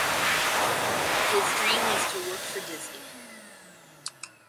His dream was to work for Disney.